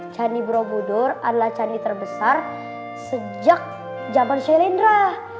candi borobudur adalah candi terbesar sejak zaman shelendra